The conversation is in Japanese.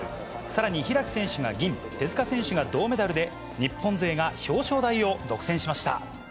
さらに開選手が銀、手塚選手が銅メダルで、日本勢が表彰台を独占しました。